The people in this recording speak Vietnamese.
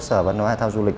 sở văn hóa hai thao du lịch